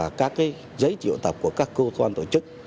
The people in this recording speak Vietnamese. sử dụng các lệnh và các giấy triệu tập của các cơ quan tổ chức